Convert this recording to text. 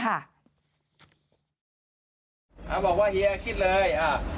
เขาบอกว่าเฮียคิดเลย